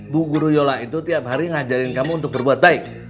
bu guru yola itu tiap hari ngajarin kamu untuk berbuat baik